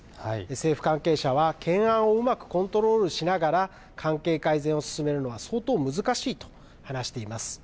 政府関係者は、懸案をうまくコントロールしながら、関係改善を進めるのは相当難しいと話しています。